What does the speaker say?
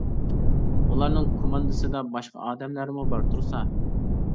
-ئۇلارنىڭ كوماندىسىدا باشقا ئادەملەرمۇ بار تۇرسا.